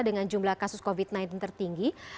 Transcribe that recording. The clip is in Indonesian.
dengan jumlah kasus covid sembilan belas tertinggi